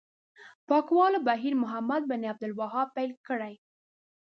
پاکولو بهیر محمد بن عبدالوهاب پیل کړی.